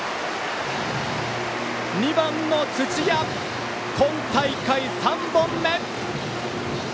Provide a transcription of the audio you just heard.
２番の土屋、今大会３本目！